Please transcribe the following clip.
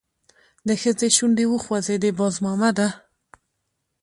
د ښځې شونډې وخوځېدې: باز مامده!